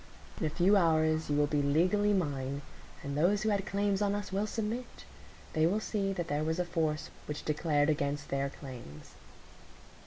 "In a few hours you will be legally mine, and those who had claims on us will submit,—they will see that there was a force which declared against their claims."